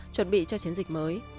chuẩn bị cho chiến dịch mới